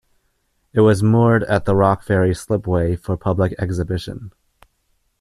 It was moored at the Rock Ferry slipway for public exhibition.